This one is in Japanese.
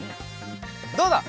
どうだ？